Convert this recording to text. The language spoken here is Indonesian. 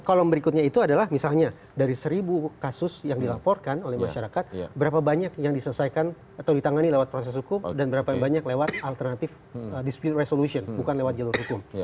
kolom berikutnya itu adalah misalnya dari seribu kasus yang dilaporkan oleh masyarakat berapa banyak yang diselesaikan atau ditangani lewat proses hukum dan berapa yang banyak lewat alternatif dispute resolution bukan lewat jalur hukum